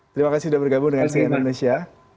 terima kasih sudah bergabung dengan cnn indonesia